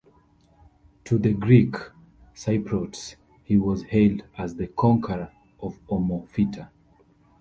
To the Greek-Cypriots he was hailed as the "conqueror of Omorphita".